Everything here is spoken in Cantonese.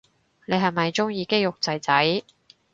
你係咪鍾意肌肉仔仔